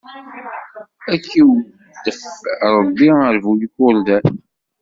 Ad k-iweddef Ṛebbi ar bu ikurdan!